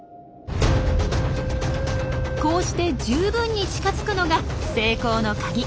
こうして十分に近づくのが成功のカギ。